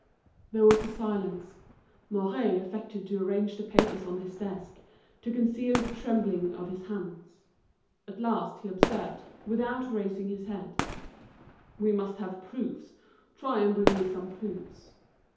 There was a silence. Mouret affected to arrange the papers on his desk, to conceal the trembling of his hands. At last, he observed, without raising his head: "We must have proofs, try and bring me some proofs.